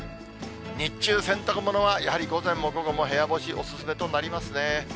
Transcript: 日中、洗濯物はやはり午前も午後も部屋干しお勧めとなりますね。